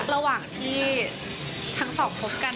ระหว่างที่ทั้งสองคบกัน